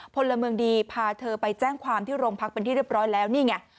พลเมืองดีพาเธอไปแจ้งความที่โรงพักเป็นที่เรียบร้อยแล้วนี่ไง